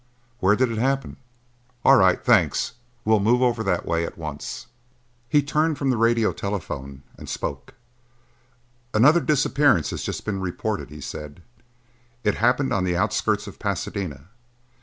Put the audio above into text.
Where did it happen? All right, thanks, we'll move over that way at once." He turned from the radio telephone and spoke. "Another disappearance has just been reported," he said. "It happened on the outskirts of Pasadena.